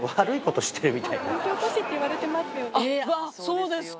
そうですか！